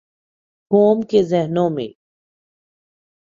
قوم کے ذہنوں میں۔